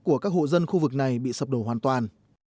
của các hộ dân khu vực này bị sập đổ hoàn toàn